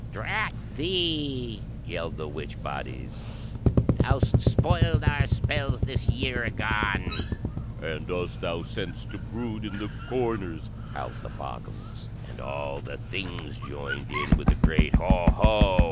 "Drat thee!" yelled the witch bodies, "thou 'st spoiled our spells this year agone!" "And us thou sent'st to brood in the corners!" howled the Bogles. And all the Things joined in with a great "Ho, ho!"